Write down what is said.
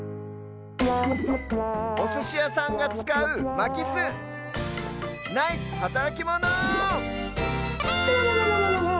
おすしやさんがつかうまきすナイスはたらきモノ！